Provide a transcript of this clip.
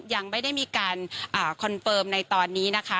ยังไม่ได้มีการคอนเฟิร์มในตอนนี้นะคะ